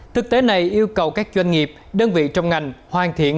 thực tế này yêu cầu các doanh nghiệp đơn vị trong ngành hoàn thiện